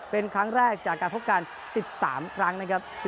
เป็นครั้งแรกจากการพบกัน๑๓ครั้งนะครับ